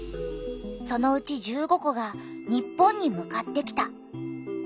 そのうち１５個が日本に向かってきた。